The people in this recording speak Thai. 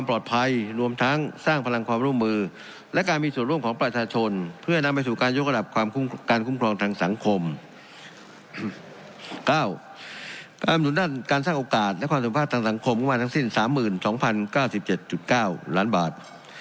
และความสุขภาพทางสังคมประมาณทั้งสิ้น๓๒๐๙๗๙ล้านบาท